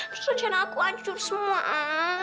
terus hujan aku hancur semua